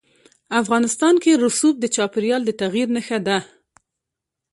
افغانستان کې رسوب د چاپېریال د تغیر نښه ده.